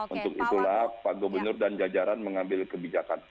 untuk itulah pak gubernur dan jajaran mengambil kebijakan